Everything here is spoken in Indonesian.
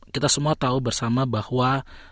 kita semua tahu bersama bahwa